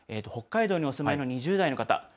北海道にお住まいの２０代の方。